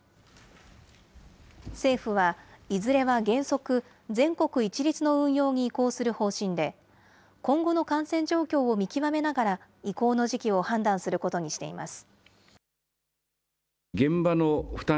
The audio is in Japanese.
政府は、いずれは原則、全国一律の運用に移行する方針で、今後の感染状況を見極めながら、移行の時期を判断することにしています。